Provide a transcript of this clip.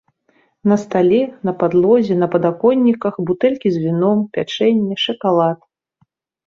На стале, на падлозе, на падаконніках бутэлькі з віном, пячэнне, шакалад.